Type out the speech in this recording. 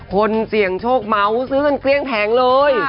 คนเสี่ยงโชคเมาส์ซื้อกันเกลี้ยงแผงเลย